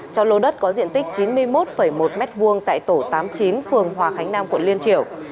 trong lô đất có diện tích chín mươi một một m hai tại tổ tám mươi chín phường hòa khánh nam quận liên triểu